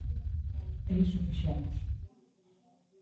E iso fixemos.